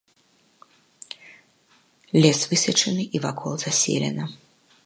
Лес высечаны, і вакол заселена.